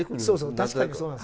確かにそうなんです。